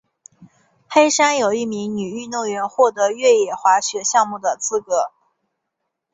黑山有一名女运动员获得越野滑雪项目的资格。